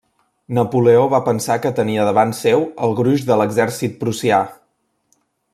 Napoleó va pensar que tenia davant seu al gruix de l'exèrcit prussià.